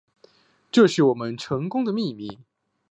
这是我们成功的秘密